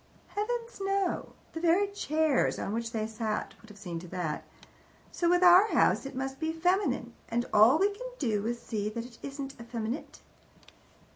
Heavens no! The very chairs on which they sat would have seen to that. So with our house it must be feminine, and all we can do is to see that it isn't effeminate.